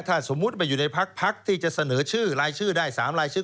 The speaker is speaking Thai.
ถ้าสมมุติมาอยู่ในพักที่จะเสนอชื่อรายชื่อได้๓รายชื่อ